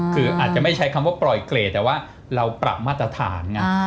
คืออาจจะไม่ใช้คำว่าปล่อยเกรดแต่ว่าเราปรับมาตรฐานไง